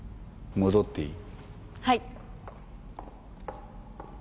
戻っていい。